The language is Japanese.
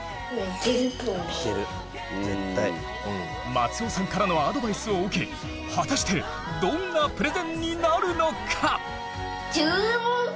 松尾さんからのアドバイスを受けはたしてどんなプレゼンになるのか！？